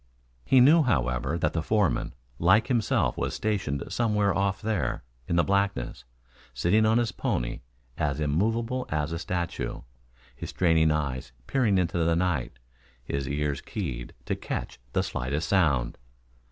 He knew, however, that the foreman, like himself was stationed somewhere off there in the blackness, sitting on his pony as immovable as a statue, his straining eyes peering into the night, his ears keyed to catch the slightest sound.